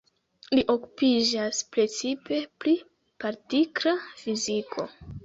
Li okupiĝas precipe pri partikla fiziko.